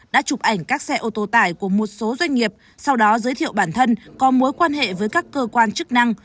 đã chụp ảnh các xe ô tô tải của một số doanh nghiệp sau đó giới thiệu bản thân có mối quan hệ với các cơ quan chức năng